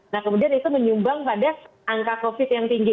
nah kemudian itu menyumbang pada angka covid yang tinggi